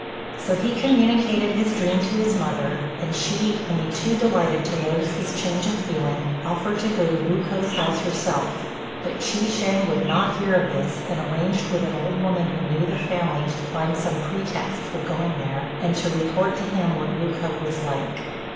So he communicated his dream to his mother; and she, only too delighted to notice this change of feeling, offered to go to Wu k'o's house herself; but Chi shêng would not hear of this, and arranged with an old woman who knew the family to find some pretext for going there, and to report to him what Wu k'o was like.